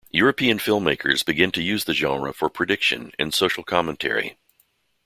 European film-makers began to use the genre for prediction and social commentary.